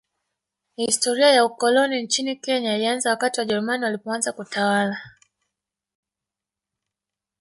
Historia ya ukoloni nchini Kenya ilianza wakati Wajerumani walipoanza kutawala